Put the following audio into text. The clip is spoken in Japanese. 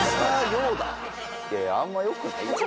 いやいやあんまよくないですよ。